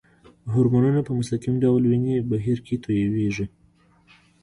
هورمونونه په مستقیم ډول وینې بهیر کې تویېږي.